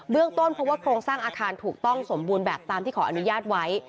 เรื่องต้นเพราะว่าโครงสร้างอาคารถูกต้องสมบูรณ์แบบตามที่ขออนุญาตไว้